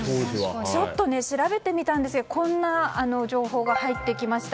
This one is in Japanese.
ちょっと調べてみたんですがこんな情報が入ってきました。